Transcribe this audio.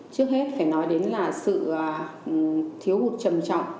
trước hết phải nói đến là sự thiếu hụt trầm trọng